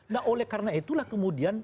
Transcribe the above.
nah oleh karena itulah kemudian